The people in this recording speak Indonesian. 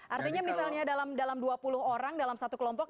artinya misalnya dalam dua puluh orang dalam satu kelompok